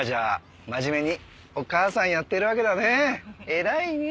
偉いね！